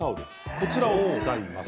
こちらを使います。